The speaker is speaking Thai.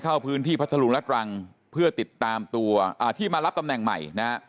เข้าพื้นที่พัทธรุงและตรังเพื่อติดตามตัวอ่าที่มารับตำแหน่งใหม่นะฮะ